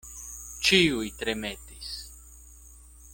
Ĉiuj tremetis.